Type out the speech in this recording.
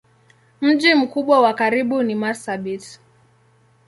Mji mkubwa wa karibu ni Marsabit.